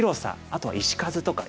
あとは石数とか。